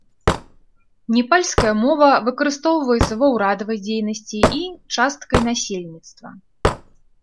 Непальская мова выкарыстоўваецца ва ўрадавай дзейнасці і часткай насельніцтва.